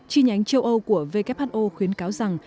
chi nhánh châu âu của who khuyến cáo rằng